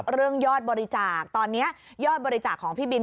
เรื่องยอดบริจาคตอนนี้ยอดบริจาคของพี่บิน